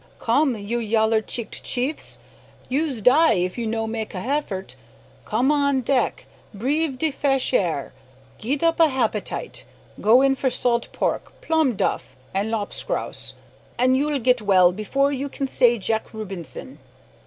"Come, you yaller cheeked chiefs; you's die if you no make a heffort. Come on deck, breeve de fresh air. Git up a happetite. Go in for salt pork, plum duff, and lop scouse, an' you'll git well 'fore you kin say Jack Rubinson."